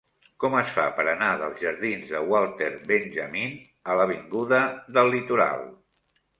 Com es fa per anar dels jardins de Walter Benjamin a l'avinguda del Litoral?